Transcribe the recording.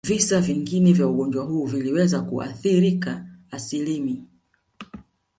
Visa vingine vingi vya ugonjwa huu viliweza kuathirika asilimi